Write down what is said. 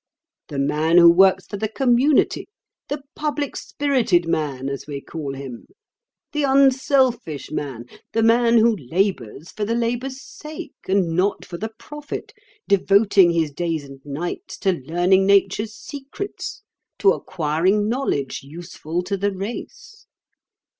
The man who works for the community, the public spirited man, as we call him; the unselfish man, the man who labours for the labour's sake and not for the profit, devoting his days and nights to learning Nature's secrets, to acquiring knowledge useful to the race.